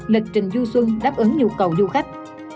lịch trình du xuân đáp ứng nhu cầu du khách